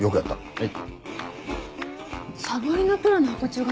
えっ。